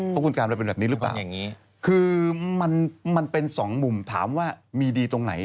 เพราะคุณการไปเป็นแบบนี้หรือเปล่าคือมันเป็นสองมุมถามว่ามีดีตรงไหน